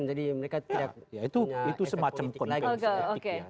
ya itu semacam koneksi